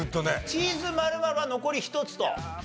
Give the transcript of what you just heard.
チーズ○○は残り１つと。